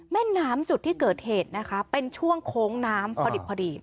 แม่น้ำจุดที่เกิดเหตุนะคะเป็นช่วงโค้งน้ำพอดิบพอดี